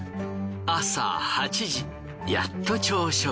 朝８時やっと朝食。